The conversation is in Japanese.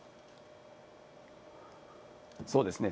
そうですね。